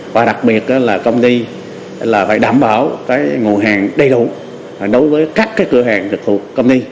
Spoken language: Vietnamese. và đặc biệt là công ty là phải đảm bảo nguồn hàng đầy đủ đối với các cửa hàng trực thuộc công ty